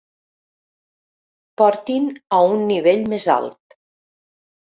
Portin a un nivell més alt.